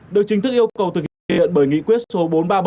được chính thức yêu cầu thực hiện bởi nghị quyết số bốn mươi ba